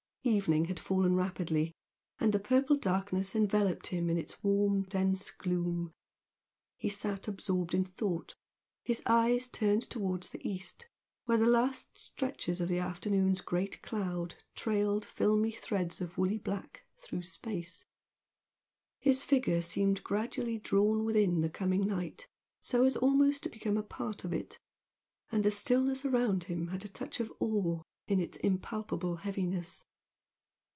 Evening had fallen rapidly, and the purple darkness enveloped him in its warm, dense gloom. He sat absorbed in thought, his eyes turned towards the east, where the last stretches of the afternoon's great cloud trailed filmy threads of woolly black through space. His figure seemed gradually drawn within the coming night so as almost to become part of it, and the stillness around him had a touch of awe in its impalpable heaviness.